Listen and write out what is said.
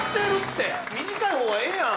短い方がええやん。